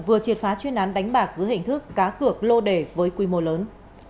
vừa triệt phá chuyên án đánh bạc dưới hình thức cá cược lô đề với quy mô lớn